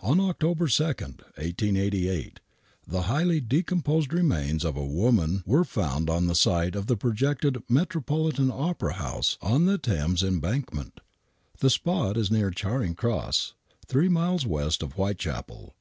On October 2, 1888, the highly decomposed remains of a woman were found on the site of the projected Metropolitan Opera House on the Thames Embankment. The spot is near Charing Cross, three miles west of White chapel.